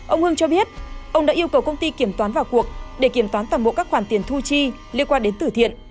ông hưng cho biết ông đã yêu cầu công ty kiểm toán vào cuộc để kiểm toán toàn bộ các khoản tiền thu chi liên quan đến tử thiện